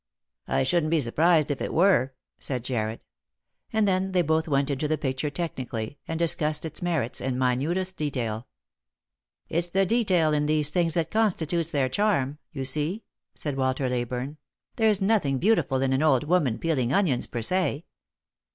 " I shouldn't be surprised if it were," said Jarred ; and then they both went into the picture technically, and discussed its merits in minutest detail. " It's the detail in these things that constitutes their charm, you see," said Walter Leyburne ;" there's nothing beautiful in an old woman peeling onions per se."